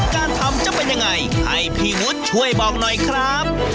การทำจะเป็นยังไงให้พี่วุฒิช่วยบอกหน่อยครับ